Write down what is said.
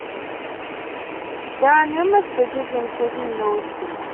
There are numerous bridges included in the listings.